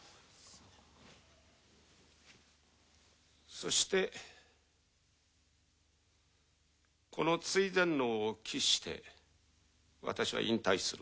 そしてこの追善能を期して私は引退する。